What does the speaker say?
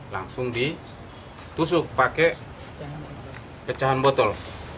langsung ditusuk pakai pecahan botol